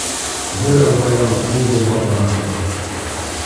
Бер ыңғайҙан ҡул болғап барырбыҙ.